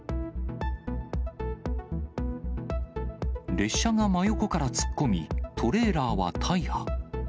列車が真横から突っ込み、トレーラーは大破。